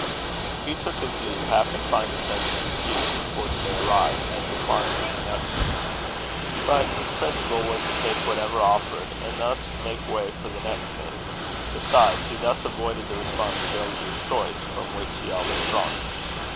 Hugh took his leave, half inclined to send an excuse before the day arrived, and decline the connection. But his principle was, to take whatever offered, and thus make way for the next thing. Besides, he thus avoided the responsibility of choice, from which he always shrunk.